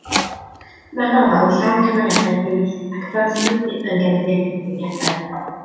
Mae'r nofel yn llawn cymeriadau brith, ac Aberystwyth yn gefndir i'r digwyddiadau.